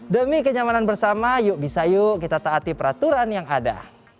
demi kenyamanan bersama yuk bisa yuk kita taati peraturan yang ada